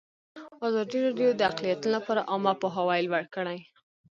ازادي راډیو د اقلیتونه لپاره عامه پوهاوي لوړ کړی.